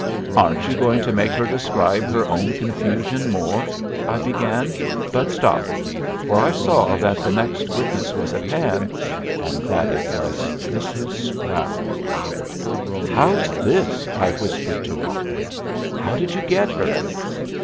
"Aren't you going to make her describe her own confusion more?" I began, but stopped, for I saw that the next witness was at hand, and that it was Mrs. Sproud. "How's this?" I whispered to Rocklin. "How did you get her?"